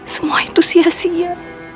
semua itu sia sia